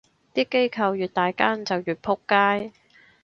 啲機構越大間就越仆街